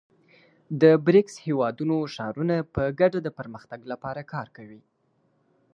د بریکس هېوادونو ښارونه په ګډه د پرمختګ لپاره کار کوي.